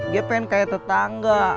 dia pengen kayak tetangga